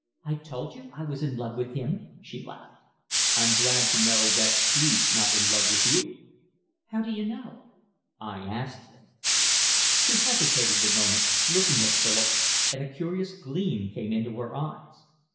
"I told you I was in love with him," she laughed. "I'm glad to know that he's not in love with you." "How d'you know?" "I asked him." She hesitated a moment, looking at Philip, and a curious gleam came into her eyes.